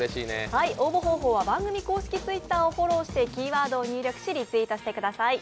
応募方法は番組公式Ｔｗｉｔｔｅｒをフォローしてキーワードを入力しリツイートしてください。